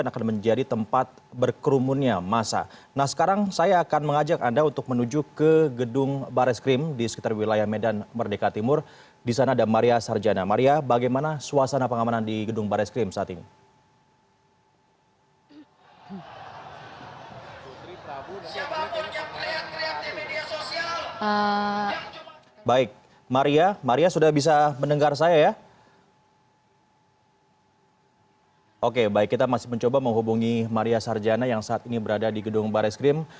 kita masih mencoba menghubungi maria sarjana yang saat ini berada di gedung barreskrim